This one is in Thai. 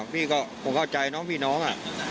พี่ก็ผมเข้าใจน้องพี่น้อง